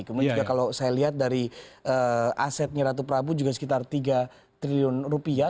kemudian juga kalau saya lihat dari asetnya ratu prabu juga sekitar tiga triliun rupiah